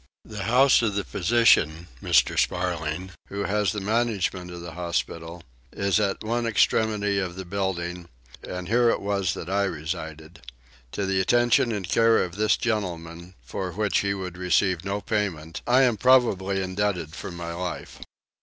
The house of the physician, Mr. Sparling, who has the management of the hospital is at one extremity of the building: and here it was that I resided. To the attention and care of this gentleman, for which he would receive no payment, I am probably indebted for my life.